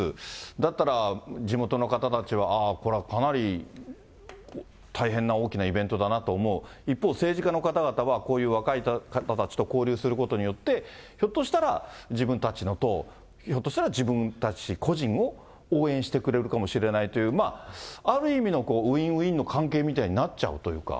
だったら地元の方たちは、ああ、これはかなり大変な、大きなイベントだなと思う、一方、政治家の方々は、こういう若い方たちと交流することによって、ひょっとしたら自分たちの党、ひょっとしたら自分たち個人を応援してくれるかもしれないという、まあ、ある意味のウインウインの関係みたいになっちゃうというか。